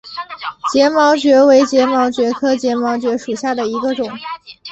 睫毛蕨为睫毛蕨科睫毛蕨属下的一个种。